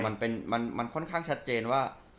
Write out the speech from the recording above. มันเป็นมันค่อนข้างชัดเจนว่า